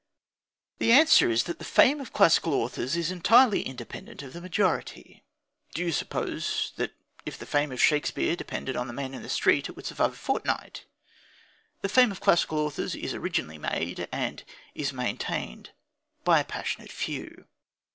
The answer is that the fame of classical authors is entirely independent of the majority. Do you suppose that if the fame of Shakespeare depended on the man in the street it would survive a fortnight? The fame of classical authors is originally made, and it is maintained, by a passionate few.